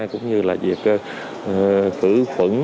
cũng như là việc cử phẩn